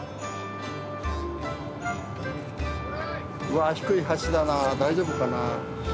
わあ低い橋だな大丈夫かな。